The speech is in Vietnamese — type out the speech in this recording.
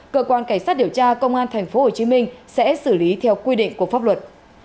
cơ quan cảnh sát điều tra công an tp hcm sẽ xử lý theo quy định của pháp luật